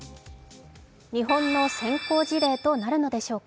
日本の先行事例となるのでしょうか。